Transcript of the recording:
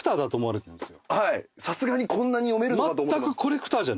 さすがにこんなに読めるのか？と思います。